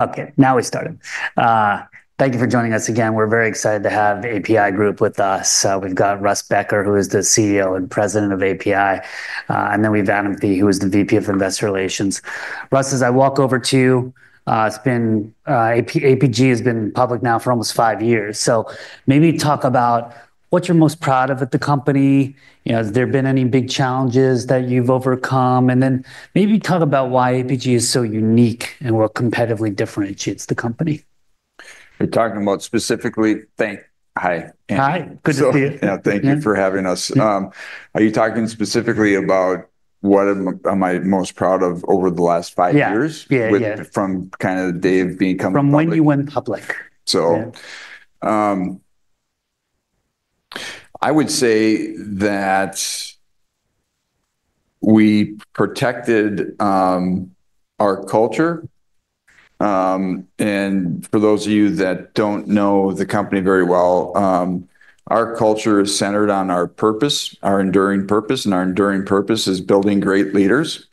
Okay, now we started. Thank you for joining us again. We're very excited to have APi Group with us. We've got Russ Becker, who is the CEO and President of APi, and then we've got Adam Fee, who is the VP of Investor Relations. Russ, as I walk over to you, it's been APi has been public now for almost five years. So maybe talk about what you're most proud of at the company. Has there been any big challenges that you've overcome? And then maybe talk about why APi is so unique and what competitively differentiates the company. We're talking about specifically, thanks, hi, Andrew. Hi, good to see you. Yeah, thank you for having us. Are you talking specifically about what am I most proud of over the last five years? Yeah, yeah, yeah. From kind of the day of being company founder. From when you went public. So I would say that we protected our culture. And for those of you that don't know the company very well, our culture is centered on our purpose, our enduring purpose. And our enduring purpose is building great leaders.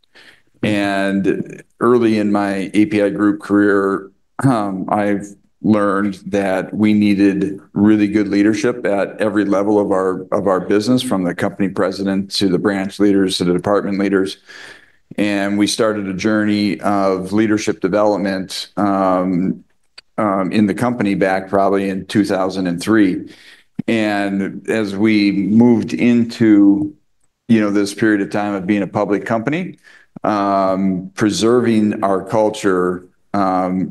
And early in my APi Group career, I learned that we needed really good leadership at every level of our business, from the company president to the branch leaders to the department leaders. And we started a journey of leadership development in the company back probably in 2003. And as we moved into this period of time of being a public company, preserving our culture,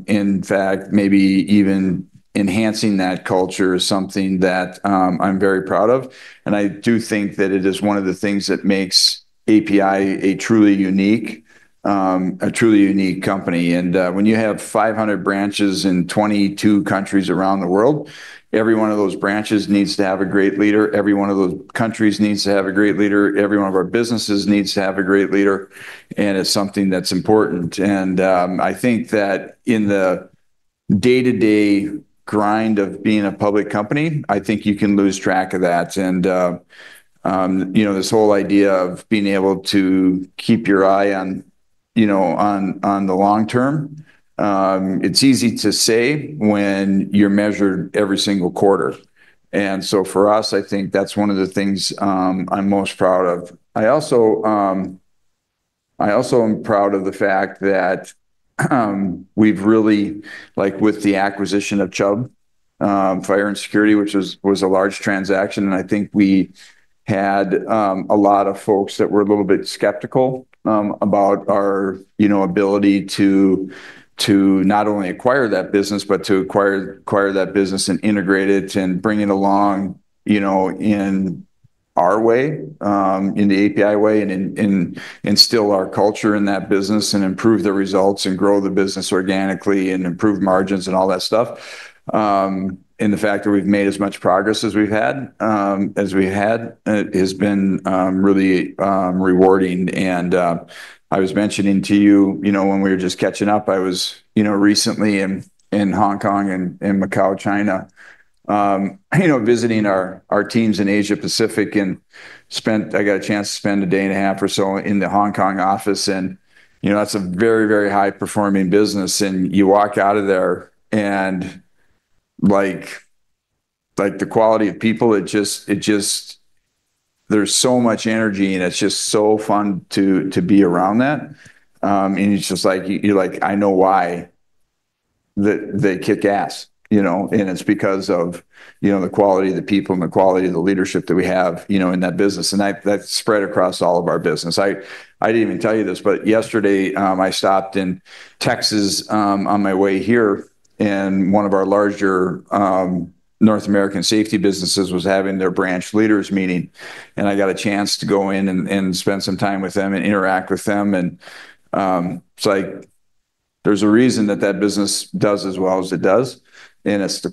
in fact, maybe even enhancing that culture is something that I'm very proud of. And I do think that it is one of the things that makes APi a truly unique company. And when you have 500 branches in 22 countries around the world, every one of those branches needs to have a great leader. Every one of those countries needs to have a great leader. Every one of our businesses needs to have a great leader. And it's something that's important. And I think that in the day-to-day grind of being a public company, I think you can lose track of that. And this whole idea of being able to keep your eye on the long term, it's easy to say when you're measured every single quarter. And so for us, I think that's one of the things I'm most proud of. I also am proud of the fact that we've really, like with the acquisition of Chubb Fire & Security, which was a large transaction, and I think we had a lot of folks that were a little bit skeptical about our ability to not only acquire that business, but to acquire that business and integrate it and bring it along in our way, in the APi way, and instill our culture in that business and improve the results and grow the business organically and improve margins and all that stuff. And the fact that we've made as much progress as we've had has been really rewarding, and I was mentioning to you, when we were just catching up, I was recently in Hong Kong and Macau, China, visiting our teams in Asia Pacific. I got a chance to spend a day and a half or so in the Hong Kong office. That's a very, very high-performing business. You walk out of there and the quality of people, it just, there's so much energy and it's just so fun to be around that. It's just like, you're like, I know why they kick ass. It's because of the quality of the people and the quality of the leadership that we have in that business. That's spread across all of our business. I didn't even tell you this, but yesterday I stopped in Texas on my way here. One of our larger North American safety businesses was having their branch leaders meeting. I got a chance to go in and spend some time with them and interact with them. And it's like, there's a reason that that business does as well as it does. And it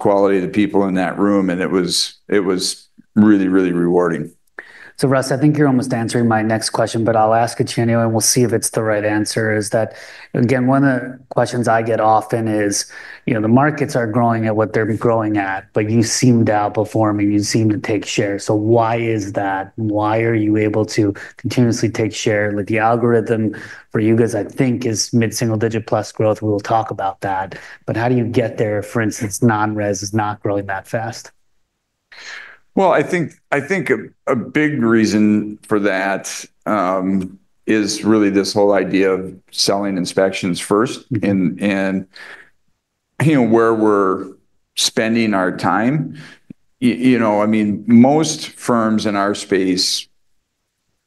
was really, really rewarding. So, Russ, I think you're almost answering my next question, but I'll ask it to you and we'll see if it's the right answer. Is that, again, one of the questions I get often is the markets are growing at what they're growing at, but you seem to outperform and you seem to take share? So why is that? Why are you able to continuously take share? The algorithm for you guys, I think, is mid-single digit plus growth. We'll talk about that. But how do you get there, for instance, non-res is not growing that fast? I think a big reason for that is really this whole idea of selling inspections first. Where we're spending our time, I mean, most firms in our space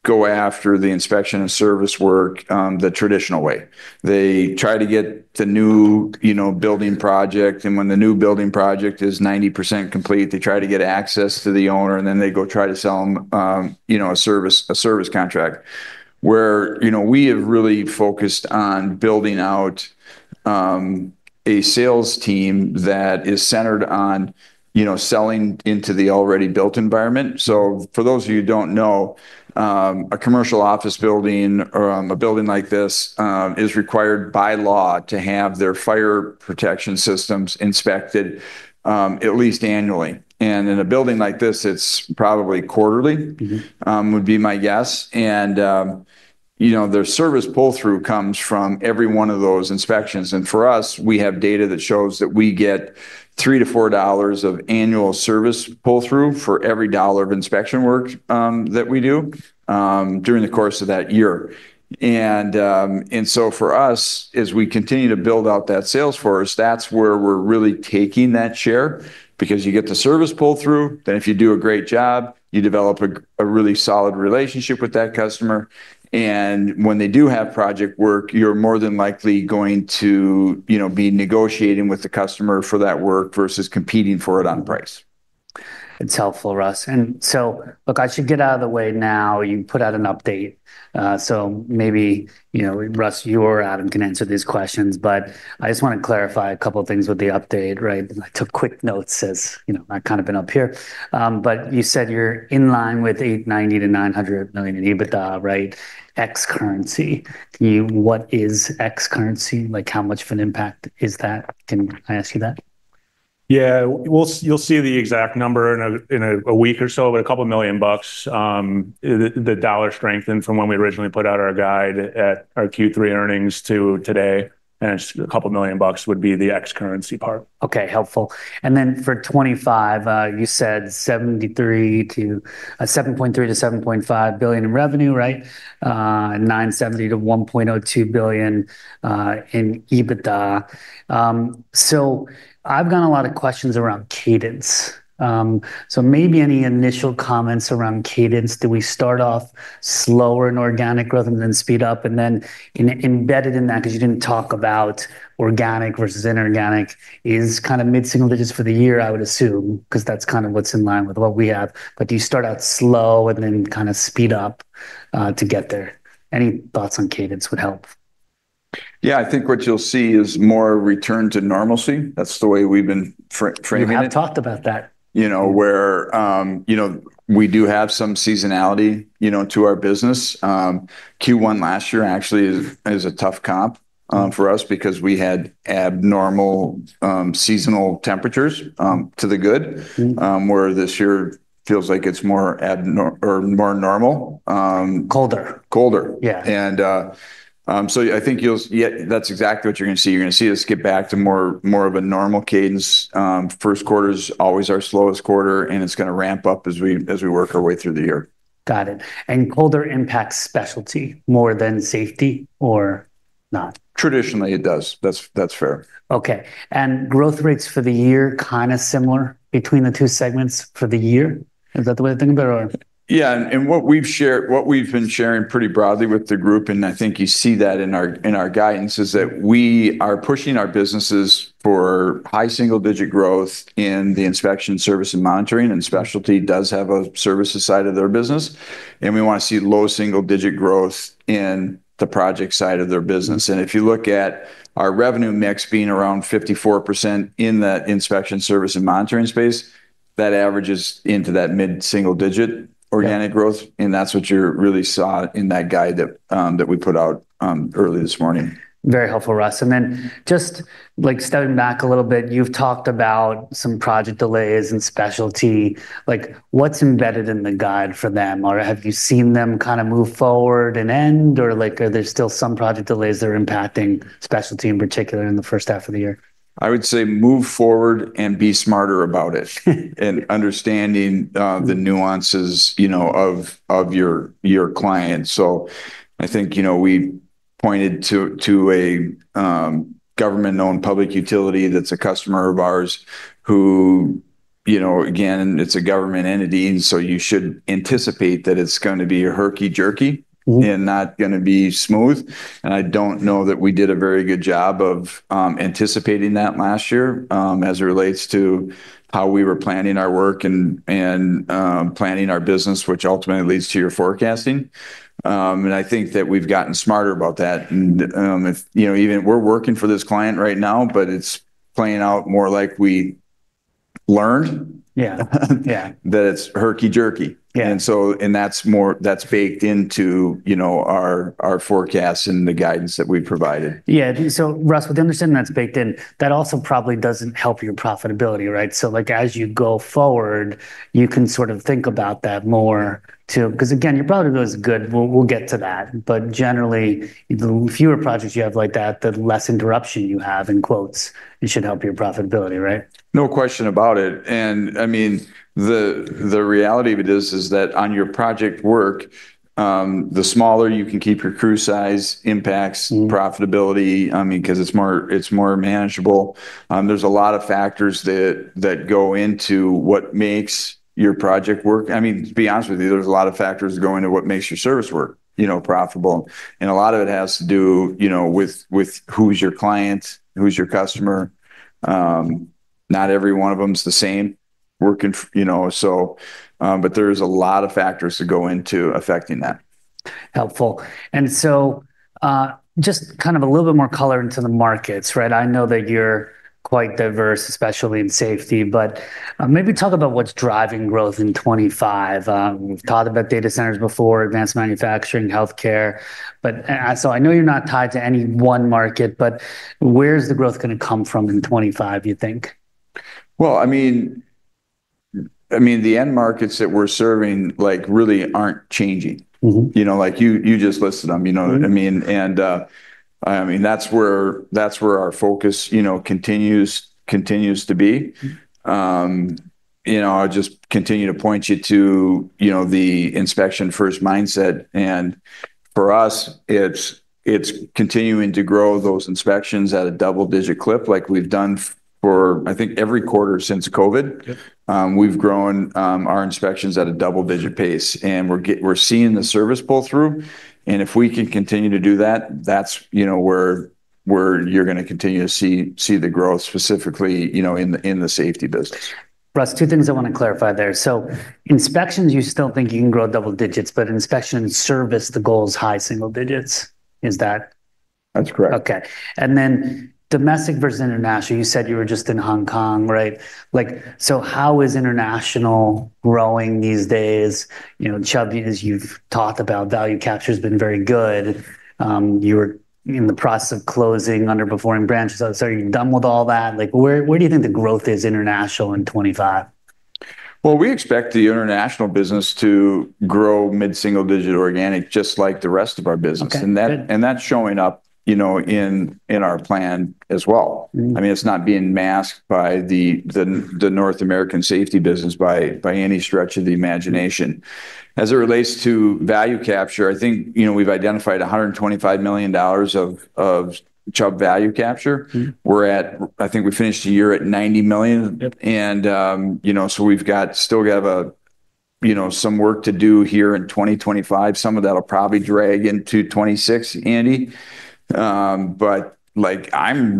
go after the inspection and service work the traditional way. They try to get the new building project. When the new building project is 90% complete, they try to get access to the owner, and then they go try to sell them a service contract. Where we have really focused on building out a sales team that is centered on selling into the already built environment. For those of you who don't know, a commercial office building, a building like this, is required by law to have their fire protection systems inspected at least annually. In a building like this, it's probably quarterly, would be my guess. And their service pull-through comes from every one of those inspections. And for us, we have data that shows that we get $3-$4 of annual service pull-through for every $1 of inspection work that we do during the course of that year. And so for us, as we continue to build out that sales force, that's where we're really taking that share because you get the service pull-through. Then if you do a great job, you develop a really solid relationship with that customer. And when they do have project work, you're more than likely going to be negotiating with the customer for that work versus competing for it on price. It's helpful, Russ. And so look, I should get out of the way now. You put out an update. So maybe Russ, you or Adam can answer these questions. But I just want to clarify a couple of things with the update. I took quick notes as I've kind of been up here. But you said you're in line with $890 million-$900 million in EBITDA, right? ex-currency. What is ex-currency? How much of an impact is that? Can I ask you that? Yeah, you'll see the exact number in a week or so, but $2 million. The dollar strengthened from when we originally put out our guide at our Q3 earnings to today. And $2 million would be the FX currency part. Okay, helpful. And then for 2025, you said $7.3 billion-$7.5 billion in revenue, right? $970 million-$1.02 billion in EBITDA. So I've got a lot of questions around cadence. So maybe any initial comments around cadence? Do we start off slower in organic growth and then speed up? And then embedded in that, because you didn't talk about organic versus inorganic, is kind of mid-single digits for the year, I would assume, because that's kind of what's in line with what we have. But do you start out slow and then kind of speed up to get there? Any thoughts on cadence would help? Yeah, I think what you'll see is more return to normalcy. That's the way we've been framing it. We haven't talked about that. Where we do have some seasonality to our business. Q1 last year actually is a tough comp for us because we had abnormal seasonal temperatures to the good, where this year feels like it's more abnormal or more normal. Colder. Colder. Yeah. And so I think that's exactly what you're going to see. You're going to see us get back to more of a normal cadence. First quarters always our slowest quarter, and it's going to ramp up as we work our way through the year. Got it. And colder impacts specialty more than safety or not? Traditionally, it does. That's fair. Okay. And growth rates for the year, kind of similar between the two segments for the year? Is that the way to think about it? Yeah. And what we've shared, what we've been sharing pretty broadly with the group, and I think you see that in our guidance, is that we are pushing our businesses for high single-digit growth in the inspection service and monitoring. And specialty does have a services side of their business. And we want to see low single-digit growth in the project side of their business. And if you look at our revenue mix being around 54% in that inspection service and monitoring space, that averages into that mid-single digit organic growth. And that's what you really saw in that guide that we put out early this morning. Very helpful, Russ. And then just stepping back a little bit, you've talked about some project delays in specialty. What's embedded in the guide for them? Or have you seen them kind of move forward and end? Or are there still some project delays that are impacting specialty in particular in the first half of the year? I would say move forward and be smarter about it and understanding the nuances of your client. So I think we pointed to a government-owned public utility that's a customer of ours who, again, it's a government entity. And so you should anticipate that it's going to be a herky-jerky and not going to be smooth. And I don't know that we did a very good job of anticipating that last year as it relates to how we were planning our work and planning our business, which ultimately leads to your forecasting. And I think that we've gotten smarter about that. And we're working for this client right now, but it's playing out more like we learned that it's herky-jerky. And that's baked into our forecasts and the guidance that we've provided. Yeah. So Russ, with the understanding that's baked in, that also probably doesn't help your profitability, right? So as you go forward, you can sort of think about that more too, because again, your profitability is good. We'll get to that. But generally, the fewer projects you have like that, the less interruption you have in quotes, it should help your profitability, right? No question about it, and I mean, the reality of it is that on your project work, the smaller you can keep your crew size, impacts profitability, I mean, because it's more manageable. There's a lot of factors that go into what makes your project work. I mean, to be honest with you, there's a lot of factors going into what makes your service work profitable, and a lot of it has to do with who's your client, who's your customer. Not every one of them is the same working, but there's a lot of factors that go into affecting that. Helpful. And so just kind of a little bit more color into the markets, right? I know that you're quite diverse, especially in safety, but maybe talk about what's driving growth in 2025. We've talked about data centers before, advanced manufacturing, healthcare. So I know you're not tied to any one market, but where's the growth going to come from in 2025, you think? I mean, the end markets that we're serving really aren't changing. You just listed them. I mean, that's where our focus continues to be. I'll just continue to point you to the inspection-first mindset, and for us, it's continuing to grow those inspections at a double-digit clip. Like we've done for, I think, every quarter since COVID, we've grown our inspections at a double-digit pace, and we're seeing the service pull through, and if we can continue to do that, that's where you're going to continue to see the growth specifically in the safety business. Russ, two things I want to clarify there. So inspections, you still think you can grow double digits, but inspection service the goals, high single digits. Is that? That's correct. Okay. And then domestic versus international, you said you were just in Hong Kong, right? So how is international growing these days? Chubb, as you've talked about, value capture has been very good. You were in the process of closing underperforming branches. So are you done with all that? Where do you think the growth is international in 2025? We expect the international business to grow mid-single digit organic, just like the rest of our business. That's showing up in our plan as well. I mean, it's not being masked by the North American safety business by any stretch of the imagination. As it relates to value capture, I think we've identified $125 million of Chubb value capture. We're at, I think, we finished the year at $90 million. We've still got some work to do here in 2025. Some of that will probably drag into 2026, Andy. I'm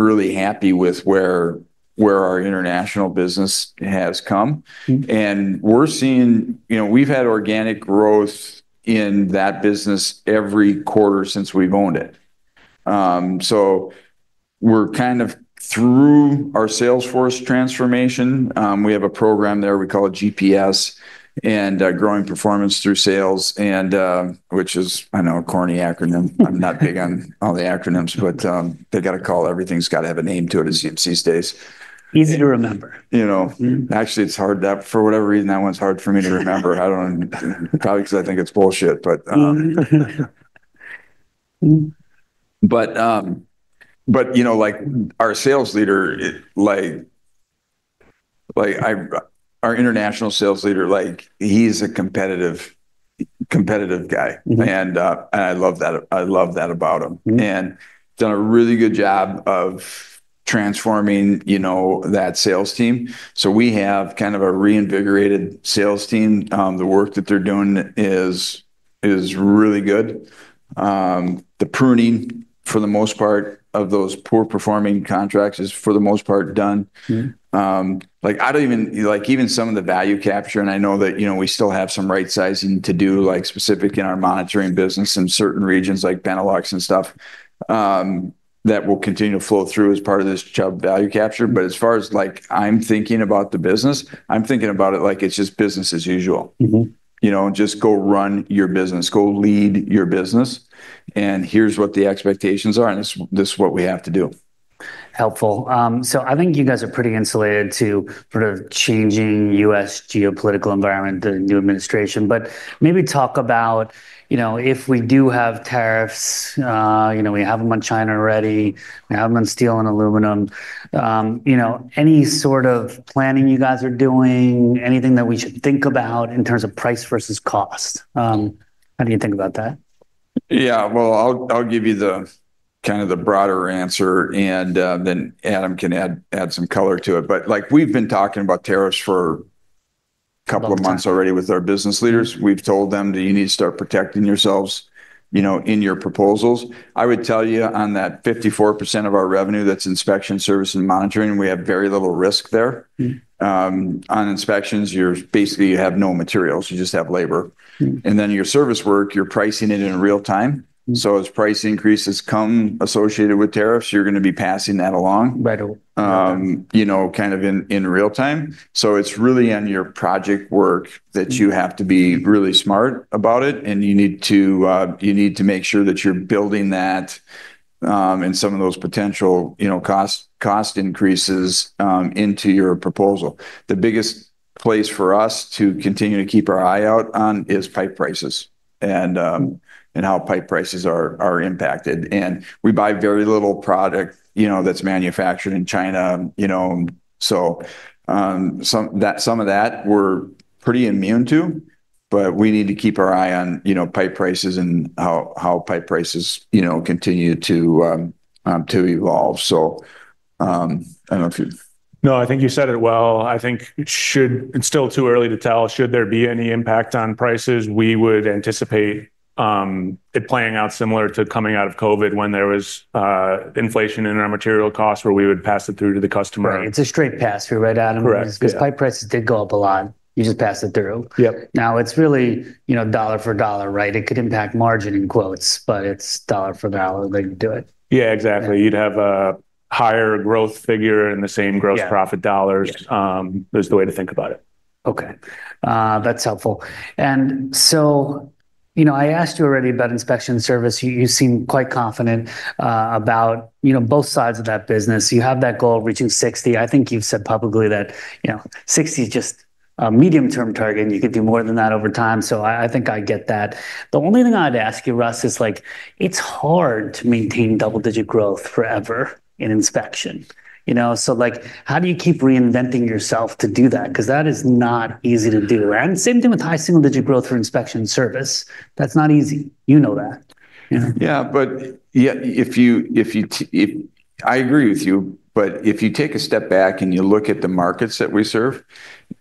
really happy with where our international business has come. We're seeing, we've had organic growth in that business every quarter since we've owned it. We're kind of through our sales force transformation. We have a program there. We call it GPS and Growing Performance through Sales, which is, I don't know, a corny acronym. I'm not big on all the acronyms, but they've got to call everything. It's got to have a name to it, as you see these days. Easy to remember. Actually, it's hard. For whatever reason, that one's hard for me to remember. Probably because I think it's bullshit, but. But our sales leader, our international sales leader, he's a competitive guy. And I love that about him. And he's done a really good job of transforming that sales team. So we have kind of a reinvigorated sales team. The work that they're doing is really good. The pruning, for the most part, of those poor performing contracts is, for the most part, done. Even some of the value capture, and I know that we still have some right sizing to do specific in our monitoring business in certain regions like Benelux and stuff that will continue to flow through as part of this Chubb value capture. But as far as I'm thinking about the business, I'm thinking about it like it's just business as usual. Just go run your business, go lead your business, and here's what the expectations are, and this is what we have to do. Helpful. So I think you guys are pretty insulated to sort of changing U.S. geopolitical environment, the new administration. But maybe talk about if we do have tariffs, we have them on China already, we have them on steel and aluminum, any sort of planning you guys are doing, anything that we should think about in terms of price versus cost. How do you think about that? Yeah, well, I'll give you kind of the broader answer, and then Adam can add some color to it. But we've been talking about tariffs for a couple of months already with our business leaders. We've told them, you need to start protecting yourselves in your proposals. I would tell you on that 54% of our revenue that's inspection service and monitoring, we have very little risk there. On inspections, you basically have no materials. You just have labor. And then your service work, you're pricing it in real time. So as price increases come associated with tariffs, you're going to be passing that along kind of in real time. So it's really on your project work that you have to be really smart about it, and you need to make sure that you're building that and some of those potential cost increases into your proposal. The biggest place for us to continue to keep our eye out on is pipe prices and how pipe prices are impacted. And we buy very little product that's manufactured in China. So some of that we're pretty immune to, but we need to keep our eye on pipe prices and how pipe prices continue to evolve. So I don't know if you. No, I think you said it well. I think it's still too early to tell. Should there be any impact on prices, we would anticipate it playing out similar to coming out of COVID when there was inflation in our material costs where we would pass it through to the customer. Right. It's a straight pass-through, right, Adam? Correct. Because pipe prices did go up a lot. You just passed it through. Yep. Now it's really dollar for dollar, right? It could impact margin in quotes, but it's dollar for dollar that you do it. Yeah, exactly. You'd have a higher growth figure in the same gross profit dollars is the way to think about it. Okay. That's helpful. And so I asked you already about inspection service. You seem quite confident about both sides of that business. You have that goal of reaching 60. I think you've said publicly that 60 is just a medium-term target. You could do more than that over time. So I think I get that. The only thing I'd ask you, Russ, is it's hard to maintain double-digit growth forever in inspection. So how do you keep reinventing yourself to do that? Because that is not easy to do. And same thing with high single-digit growth for inspection service. That's not easy. You know that. Yeah, but I agree with you. But if you take a step back and you look at the markets that we serve,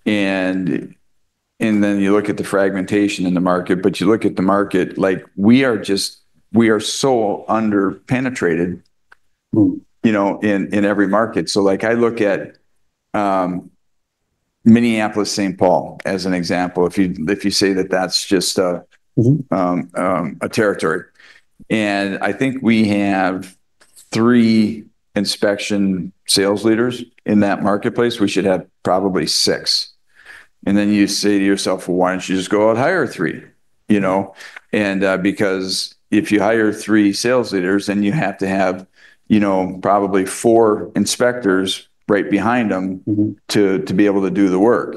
and then you look at the fragmentation in the market, but you look at the market, we are so underpenetrated in every market. So I look at Minneapolis, Saint Paul as an example, if you say that that's just a territory. And I think we have three inspection sales leaders in that marketplace. We should have probably six. And then you say to yourself, "Well, why don't you just go out, hire three?" And because if you hire three sales leaders, then you have to have probably four inspectors right behind them to be able to do the work.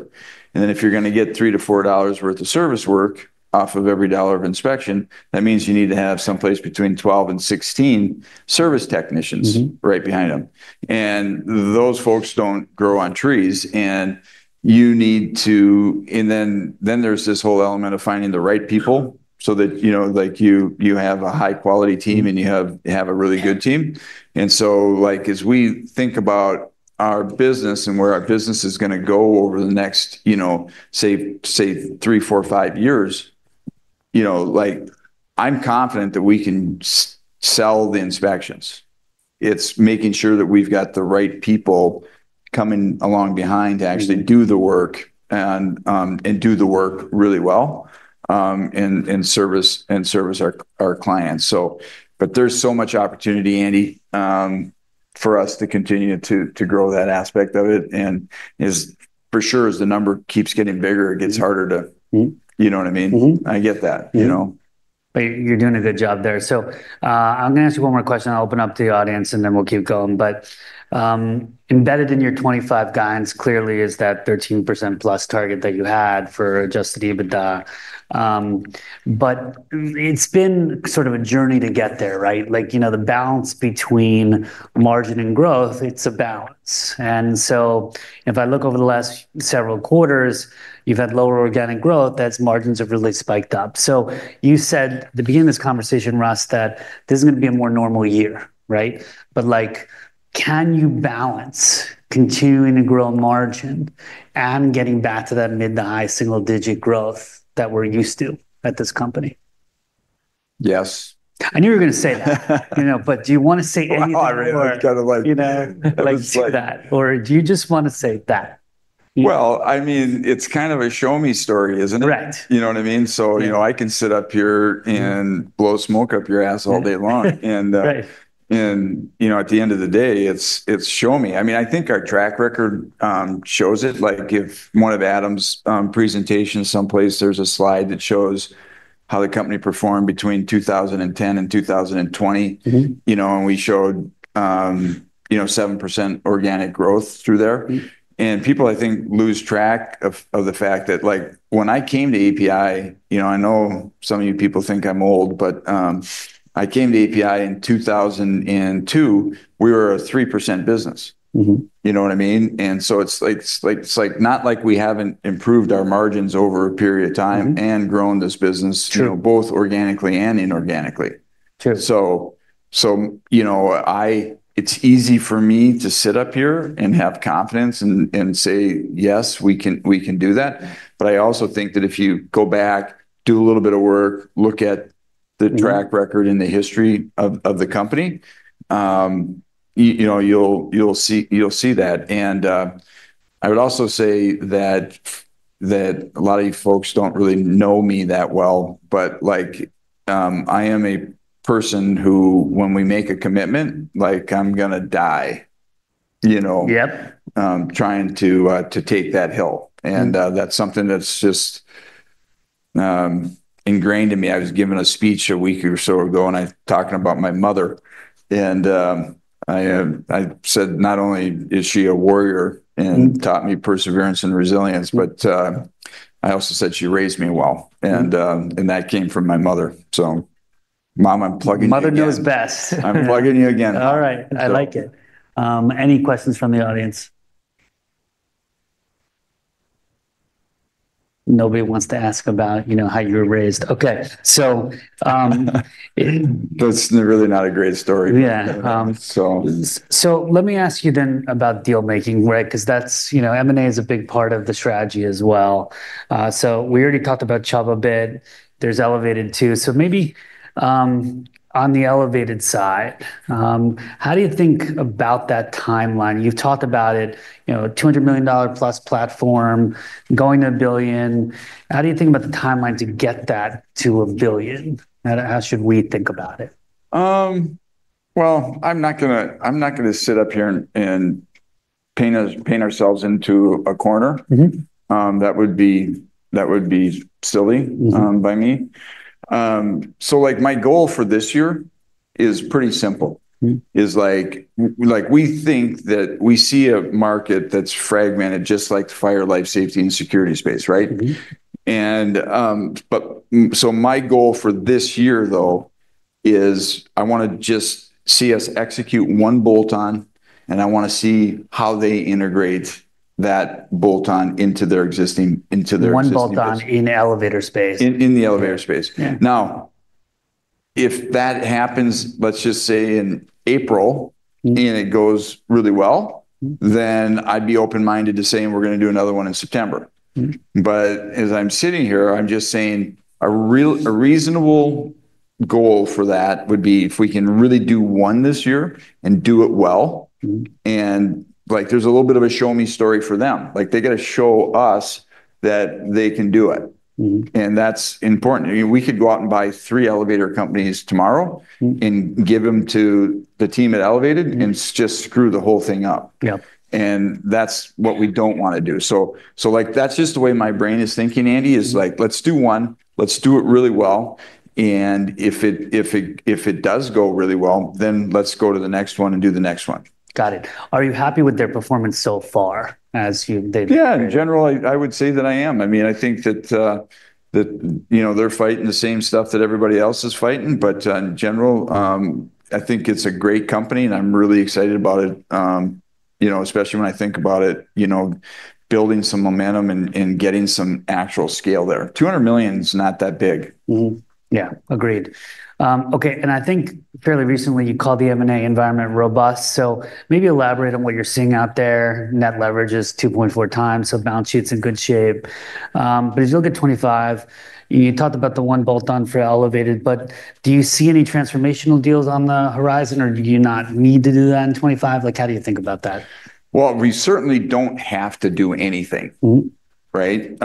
And then if you're going to get $3-$4 worth of service work off of every $1 of inspection, that means you need to have someplace between 12 and 16 service technicians right behind them. And those folks don't grow on trees. And then there's this whole element of finding the right people so that you have a high-quality team and you have a really good team. And so as we think about our business and where our business is going to go over the next, say, three, four, five years, I'm confident that we can sell the inspections. It's making sure that we've got the right people coming along behind to actually do the work and do the work really well and service our clients. But there's so much opportunity, Andy, for us to continue to grow that aspect of it. For sure, as the number keeps getting bigger, it gets harder to, you know what I mean? I get that. You're doing a good job there. So I'm going to ask you one more question. I'll open up to the audience, and then we'll keep going. But embedded in your 2025 guidance clearly is that 13% plus target that you had for adjusted EBITDA. But it's been sort of a journey to get there, right? The balance between margin and growth, it's a balance. And so if I look over the last several quarters, you've had lower organic growth. That's margins have really spiked up. So you said at the beginning of this conversation, Russ, that this is going to be a more normal year, right? But can you balance continuing to grow margin and getting back to that mid to high single-digit growth that we're used to at this company? Yes. I knew you were going to say that, but do you want to say anything more? I really got to like. Like that? or do you just want to say that? I mean, it's kind of a show me story, isn't it? Right. You know what I mean? I can sit up here and blow smoke up your ass all day long. At the end of the day, it's show me. I mean, I think our track record shows it. In one of Adam's presentations someplace, there's a slide that shows how the company performed between 2010 and 2020. We showed 7% organic growth through there. People, I think, lose track of the fact that when I came to APi, I know some of you people think I'm old, but I came to APi in 2002. We were a 3% business. You know what I mean? It's not like we haven't improved our margins over a period of time and grown this business both organically and inorganically. So it's easy for me to sit up here and have confidence and say, "Yes, we can do that." But I also think that if you go back, do a little bit of work, look at the track record and the history of the company, you'll see that. And I would also say that a lot of you folks don't really know me that well, but I am a person who, when we make a commitment, I'm going to die trying to take that hill. And that's something that's just ingrained in me. I was giving a speech a week or so ago, and I was talking about my mother. And I said, "Not only is she a warrior and taught me perseverance and resilience, but I also said she raised me well." And that came from my mother. So Mom, I'm plugging you again. Mother knows best. I'm plugging you again. All right. I like it. Any questions from the audience? Nobody wants to ask about how you were raised. Okay. So. That's really not a great story. Yeah. So let me ask you then about deal-making, right? Because M&A is a big part of the strategy as well. So we already talked about Chubb a bit. There's Elevated too. So maybe on the Elevated side, how do you think about that timeline? You've talked about it, $200 million plus platform, going to a billion. How do you think about the timeline to get that to a billion? How should we think about it? I'm not going to sit up here and paint ourselves into a corner. That would be silly by me. So my goal for this year is pretty simple. We think that we see a market that's fragmented just like the fire, life, safety, and security space, right? But so my goal for this year, though, is I want to just see us execute one bolt-on, and I want to see how they integrate that bolt-on into their existing. One bolt-on in elevator space. In the elevator space. Now, if that happens, let's just say in April, and it goes really well, then I'd be open-minded to saying, "We're going to do another one in September." But as I'm sitting here, I'm just saying a reasonable goal for that would be if we can really do one this year and do it well. And there's a little bit of a show me story for them. They got to show us that they can do it. And that's important. We could go out and buy three elevator companies tomorrow and give them to the team at Elevated and just screw the whole thing up. And that's what we don't want to do. So that's just the way my brain is thinking, Andy, is like, "Let's do one. Let's do it really well. And if it does go really well, then let's go to the next one and do the next one. Got it. Are you happy with their performance so far as they've? Yeah, in general, I would say that I am. I mean, I think that they're fighting the same stuff that everybody else is fighting. But in general, I think it's a great company, and I'm really excited about it, especially when I think about it, building some momentum and getting some actual scale there. 200 million is not that big. Yeah, agreed. Okay. And I think fairly recently you called the M&A environment robust. So maybe elaborate on what you're seeing out there. Net leverage is 2.4 times, so balance sheet's in good shape. But as you look at 2025, you talked about the one bolt-on for Elevated, but do you see any transformational deals on the horizon, or do you not need to do that in 2025? How do you think about that? We certainly don't have to do anything, right?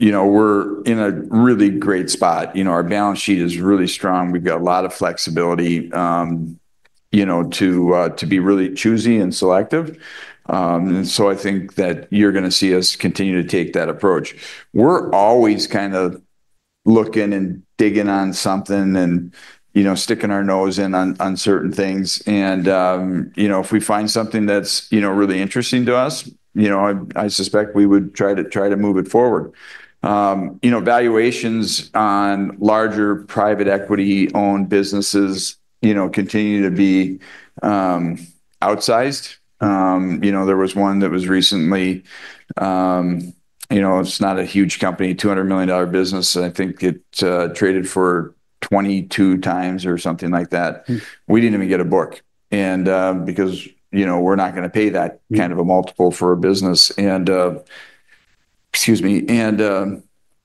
We're in a really great spot. Our balance sheet is really strong. We've got a lot of flexibility to be really choosy and selective. And so I think that you're going to see us continue to take that approach. We're always kind of looking and digging on something and sticking our nose in on certain things. And if we find something that's really interesting to us, I suspect we would try to move it forward. Valuations on larger private equity-owned businesses continue to be outsized. There was one that was recently, it's not a huge company, $200 million business. I think it traded for 22 times or something like that. We didn't even get a book because we're not going to pay that kind of a multiple for a business. And excuse me.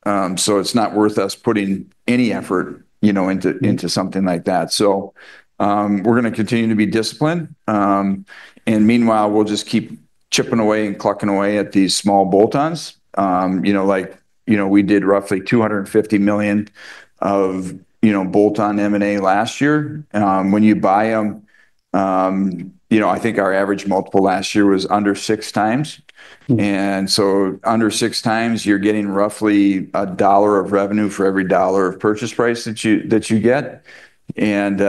And so it's not worth us putting any effort into something like that. So we're going to continue to be disciplined. And meanwhile, we'll just keep chipping away and plugging away at these small bolt-ons. We did roughly $250 million of bolt-on M&A last year. When you buy them, I think our average multiple last year was under six times. And so under six times, you're getting roughly $1 of revenue for every $1 of purchase price that you get. And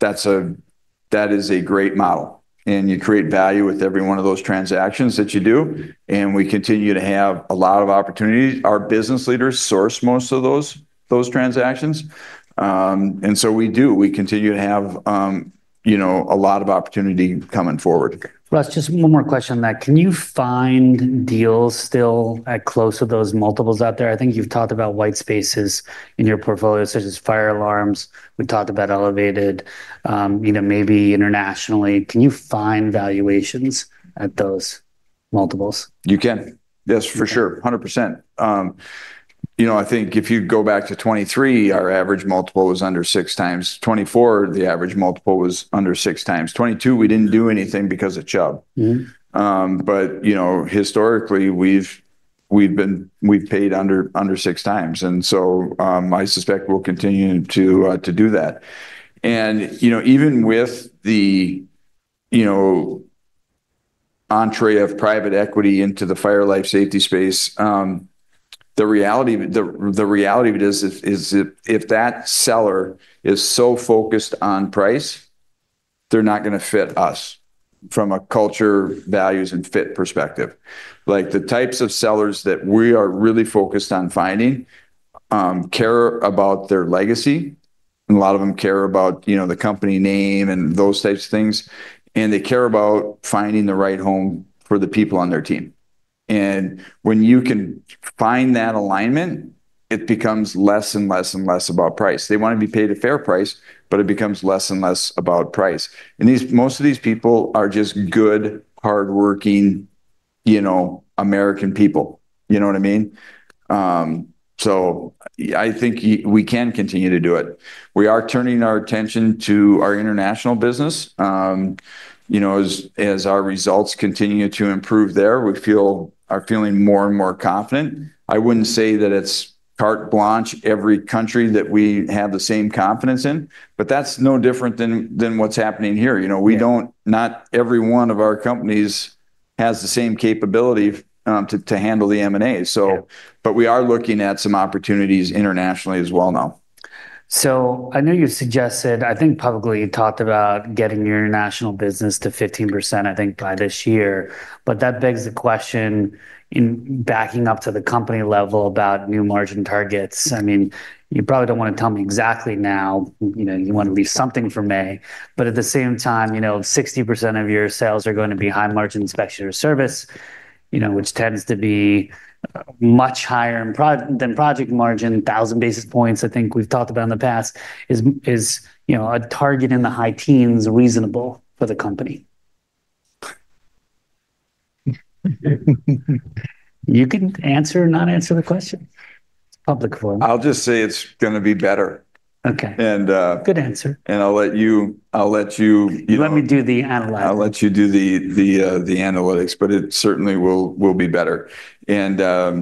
that is a great model. And you create value with every one of those transactions that you do. And we continue to have a lot of opportunities. Our business leaders source most of those transactions. And so we do. We continue to have a lot of opportunity coming forward. Russ, just one more question on that. Can you find deals still at close of those multiples out there? I think you've talked about white spaces in your portfolio, such as fire alarms. We talked about Elevated, maybe internationally. Can you find valuations at those multiples? You can. Yes, for sure. 100%. I think if you go back to 2023, our average multiple was under six times. In 2024, the average multiple was under six times. In 2022, we didn't do anything because of Chubb, but historically, we've paid under six times, and so I suspect we'll continue to do that. Even with the entry of private equity into the fire, life, safety space, the reality of it is if that seller is so focused on price, they're not going to fit us from a culture, values, and fit perspective. The types of sellers that we are really focused on finding care about their legacy, and a lot of them care about the company name and those types of things, and they care about finding the right home for the people on their team. And when you can find that alignment, it becomes less and less and less about price. They want to be paid a fair price, but it becomes less and less about price. And most of these people are just good, hardworking American people. You know what I mean? So I think we can continue to do it. We are turning our attention to our international business. As our results continue to improve there, we are feeling more and more confident. I wouldn't say that it's carte blanche every country that we have the same confidence in, but that's no different than what's happening here. Not every one of our companies has the same capability to handle the M&A. But we are looking at some opportunities internationally as well now. So I know you suggested, I think publicly you talked about getting your international business to 15%, I think, by this year. But that begs the question in backing up to the company level about new margin targets. I mean, you probably don't want to tell me exactly now. You want to leave something for May. But at the same time, 60% of your sales are going to be high margin inspection or service, which tends to be much higher than project margin, 1,000 basis points, I think we've talked about in the past, is a target in the high teens reasonable for the company? You can answer or not answer the question. It's public forum. I'll just say it's going to be better. Okay. Good answer. I'll let you. Let me do the analytics. I'll let you do the analytics, but it certainly will be better. And at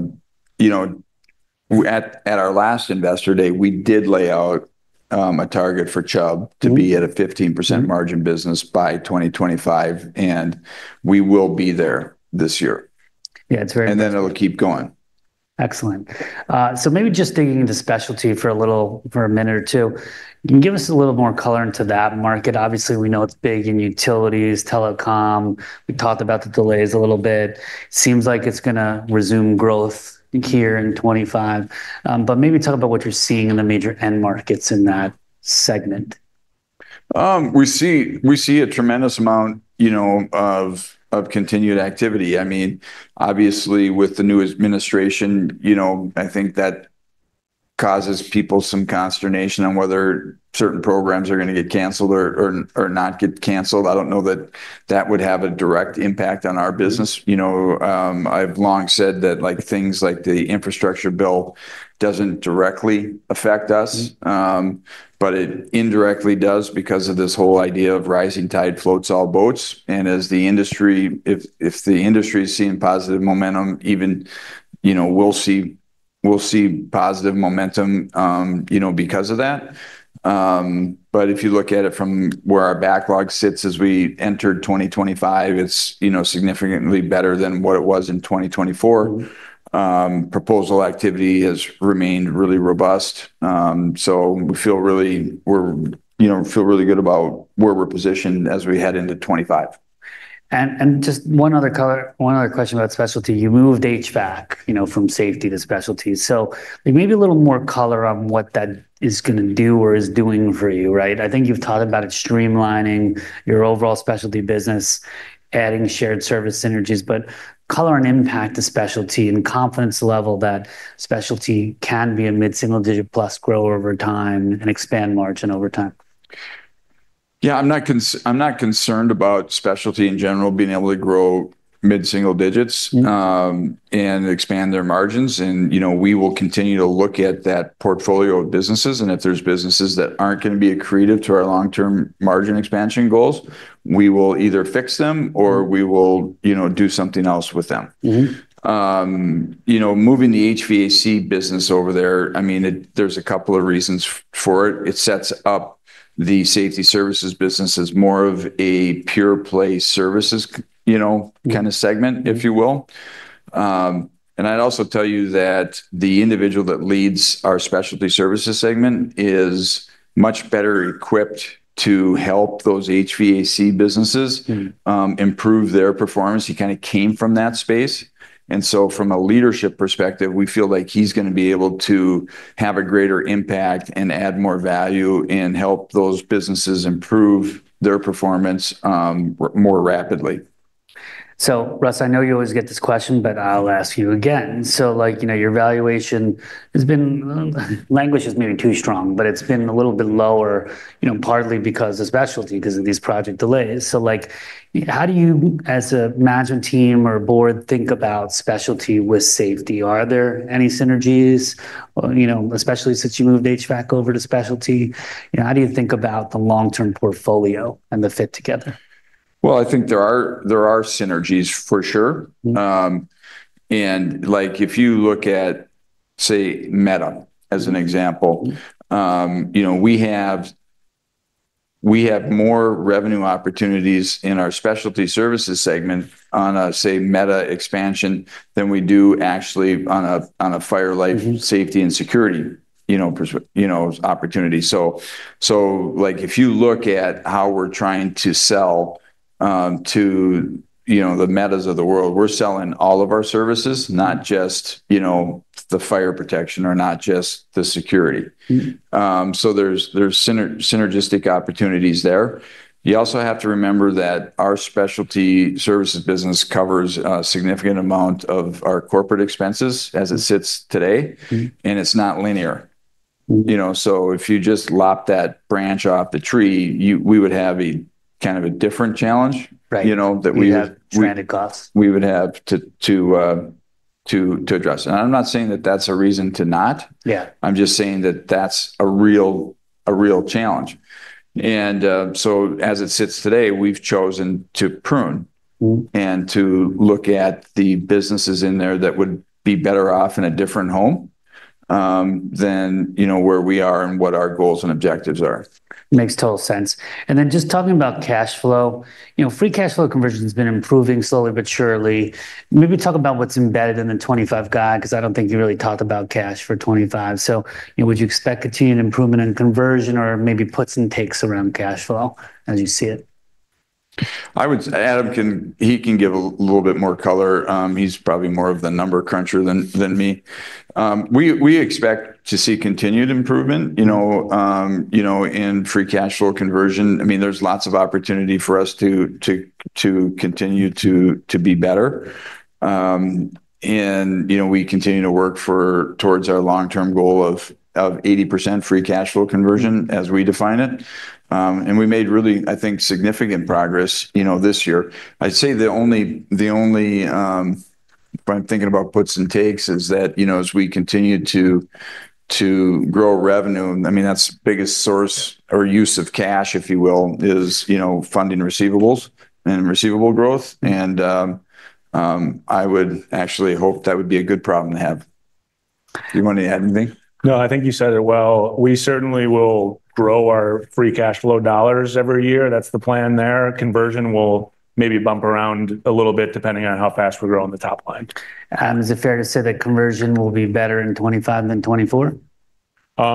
our last investor day, we did lay out a target for Chubb to be at a 15% margin business by 2025. And we will be there this year. Yeah, it's very good. And then it'll keep going. Excellent. So maybe just digging into specialty for a little for a minute or two, can you give us a little more color into that market? Obviously, we know it's big in utilities, telecom. We talked about the delays a little bit. Seems like it's going to resume growth here in 2025. But maybe talk about what you're seeing in the major end markets in that segment. We see a tremendous amount of continued activity. I mean, obviously, with the new administration, I think that causes people some consternation on whether certain programs are going to get canceled or not get canceled. I don't know that that would have a direct impact on our business. I've long said that things like the infrastructure bill doesn't directly affect us, but it indirectly does because of this whole idea of rising tide floats all boats, and if the industry is seeing positive momentum, we'll see positive momentum because of that, but if you look at it from where our backlog sits as we entered 2025, it's significantly better than what it was in 2024. Proposal activity has remained really robust, so we feel really good about where we're positioned as we head into 2025. Just one other question about specialty. You moved HVAC from safety to specialty. Maybe a little more color on what that is going to do or is doing for you, right? I think you've talked about streamlining your overall specialty business, adding shared service synergies, but color on impact to specialty and confidence level that specialty can be a mid-single digit plus grower over time and expand margin over time. Yeah, I'm not concerned about specialty in general being able to grow mid-single digits and expand their margins. And we will continue to look at that portfolio of businesses. And if there's businesses that aren't going to be accretive to our long-term margin expansion goals, we will either fix them or we will do something else with them. Moving the HVAC business over there, I mean, there's a couple of reasons for it. It sets up the safety services business as more of a pure play services kind of segment, if you will. And I'd also tell you that the individual that leads our specialty services segment is much better equipped to help those HVAC businesses improve their performance. He kind of came from that space. And so from a leadership perspective, we feel like he's going to be able to have a greater impact and add more value and help those businesses improve their performance more rapidly. So Russ, I know you always get this question, but I'll ask you again. So your valuation has been languishing is maybe too strong, but it's been a little bit lower, partly because of specialty, because of these project delays. So how do you, as a management team or board, think about specialty with safety? Are there any synergies, especially since you moved HVAC over to specialty? How do you think about the long-term portfolio and the fit together? Well, I think there are synergies for sure. And if you look at, say, Meta as an example, we have more revenue opportunities in our specialty services segment on a, say, Meta expansion than we do actually on a fire, life, safety, and security opportunity. So if you look at how we're trying to sell to the Metas of the world, we're selling all of our services, not just the fire protection or not just the security. So there's synergistic opportunities there. You also have to remember that our specialty services business covers a significant amount of our corporate expenses as it sits today. And it's not linear. So if you just lopped that branch off the tree, we would have a kind of a different challenge that we have. You have stranded costs. We would have to address. And I'm not saying that that's a reason to not. I'm just saying that that's a real challenge. And so as it sits today, we've chosen to prune and to look at the businesses in there that would be better off in a different home than where we are and what our goals and objectives are. Makes total sense. And then just talking about cash flow, free cash flow conversion has been improving slowly but surely. Maybe talk about what's embedded in the 2025 guide because I don't think you really talked about cash for 2025. So would you expect continued improvement in conversion or maybe puts and takes around cash flow as you see it? Adam can give a little bit more color. He's probably more of the number cruncher than me. We expect to see continued improvement in free cash flow conversion. I mean, there's lots of opportunity for us to continue to be better, and we continue to work towards our long-term goal of 80% free cash flow conversion as we define it, and we made really, I think, significant progress this year. I'd say the only, if I'm thinking about puts and takes, is that as we continue to grow revenue, I mean, that's the biggest source or use of cash, if you will, is funding receivables and receivable growth, and I would actually hope that would be a good problem to have. Do you want to add anything? No, I think you said it well. We certainly will grow our free cash flow dollars every year. That's the plan there. Conversion will maybe bump around a little bit depending on how fast we grow on the top line. Adam, is it fair to say that conversion will be better in 2025 than 2024?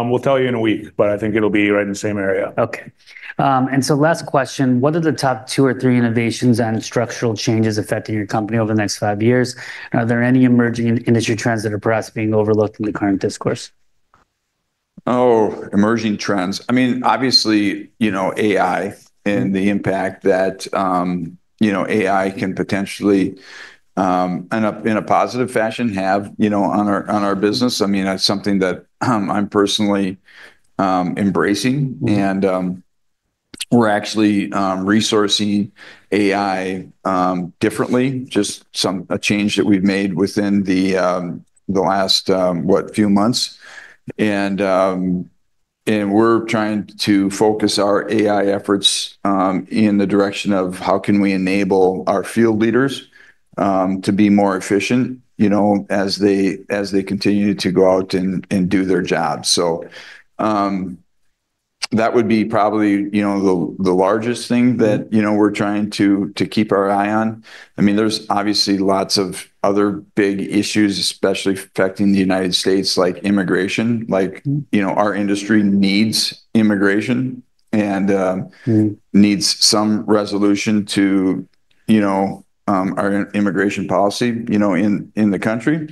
We'll tell you in a week, but I think it'll be right in the same area. Okay, and so last question, what are the top two or three innovations and structural changes affecting your company over the next five years? Are there any emerging industry trends that are perhaps being overlooked in the current discourse? Oh, emerging trends. I mean, obviously, AI and the impact that AI can potentially, in a positive fashion, have on our business. I mean, that's something that I'm personally embracing. And we're actually resourcing AI differently, just a change that we've made within the last, what, few months. And we're trying to focus our AI efforts in the direction of how can we enable our field leaders to be more efficient as they continue to go out and do their jobs. So that would be probably the largest thing that we're trying to keep our eye on. I mean, there's obviously lots of other big issues, especially affecting the United States, like immigration. Our industry needs immigration and needs some resolution to our immigration policy in the country.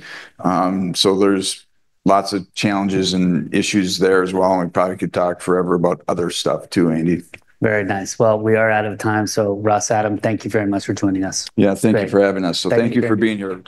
So there's lots of challenges and issues there as well. And we probably could talk forever about other stuff too, Andy. Very nice. Well, we are out of time. So, Russ, Adam, thank you very much for joining us. Yeah, thank you for having us. So thank you for being here.